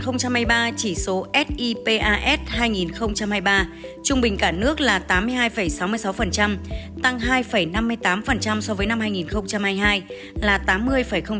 năm hai nghìn hai mươi ba chỉ số sipas hai nghìn hai mươi ba trung bình cả nước là tám mươi hai sáu mươi sáu tăng hai năm mươi tám